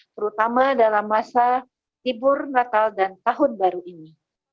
terutama dalam masa libur natal dan tahun baru ini